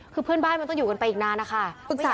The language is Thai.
คือเพื่อนบ้านมันต้องอยู่กันไปอีกนานนะคะ